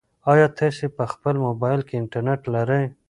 ایا تاسي په خپل موبایل کې انټرنيټ لرئ؟